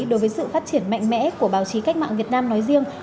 đối với sự phát triển mạnh mẽ của báo chí cách mạng việt nam nói riêng